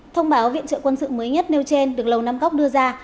thông báo viện trợ quân sự mới nhất nêu trên được lầu năm cóc đưa ra